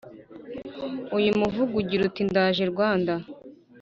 uyu muvugo ugira uti ndaje Rwanda